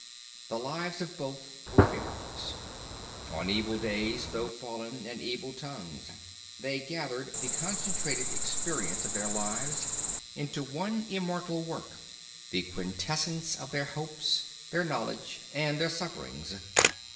The lives of both were failures. 'On evil days though fallen, and evil tongues,' they gathered the concentrated experience of their lives into one immortal work, the quintessence of their hopes, their knowledge, and their sufferings.